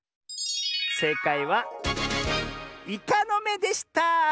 えいかいはイカのめでした！